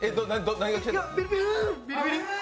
何が来てるの。